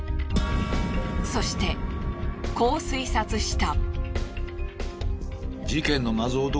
そしてこう推察した。